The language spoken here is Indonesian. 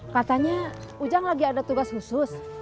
katanya ujang lagi ada tugas khusus